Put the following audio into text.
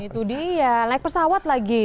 itu dia naik pesawat lagi